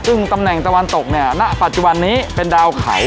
ซึ่งตำแหน่งตะวันตกเนี่ยณปัจจุบันนี้เป็นดาวเขา